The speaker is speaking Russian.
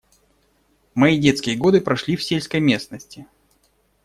Мои детские годы прошли в сельской местности.